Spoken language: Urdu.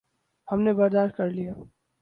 ہم نے برداشت کر لیا۔